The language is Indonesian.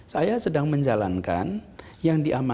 saya sedang menjalankan yang diamankan